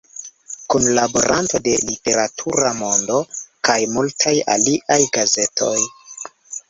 Kunlaboranto de "Literatura Mondo" kaj multaj aliaj gazetoj.